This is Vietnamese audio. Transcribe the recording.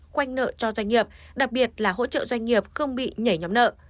khoanh nợ cho doanh nghiệp đặc biệt là hỗ trợ doanh nghiệp không bị nhảy nhóm nợ